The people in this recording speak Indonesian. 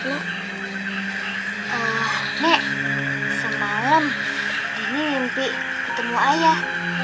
nek semalam ini mimpi ketemu ayah